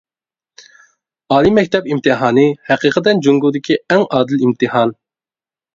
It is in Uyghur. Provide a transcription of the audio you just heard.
ئالىي مەكتەپ ئىمتىھانى ھەقىقەتەن جۇڭگودىكى ئەڭ ئادىل ئىمتىھان.